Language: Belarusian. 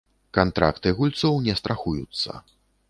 Кантракты гульцоў не страхуюцца.